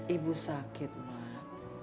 ibu sakit mak